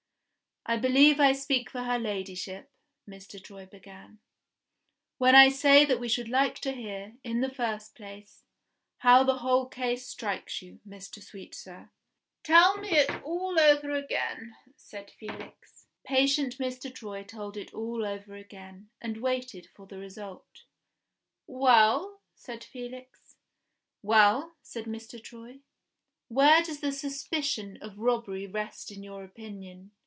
"I believe I speak for her Ladyship," Mr. Troy began, "when I say that we should like to hear, in the first place, how the whole case strikes you, Mr. Sweetsir?" "Tell it me all over again," said Felix. Patient Mr. Troy told it all over again and waited for the result. "Well?" said Felix. "Well?" said Mr. Troy. "Where does the suspicion of robbery rest in your opinion?